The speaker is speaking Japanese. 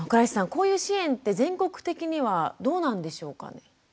こういう支援って全国的にはどうなんでしょうかね？